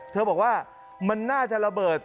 เธอบอกว่ามันน่าจะระเบิด